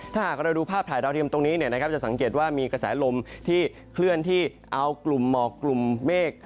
ถ้าหากเราดูภาพถ่ายดาวเทียมตรงนี้จะสังเกตว่ามีกระแสลมที่เคลื่อนที่เอากลุ่มหมอกกลุ่มเมฆ